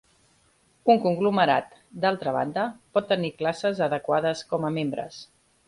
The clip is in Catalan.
Un conglomerat, d'altra banda, pot tenir classes adequades com a membres.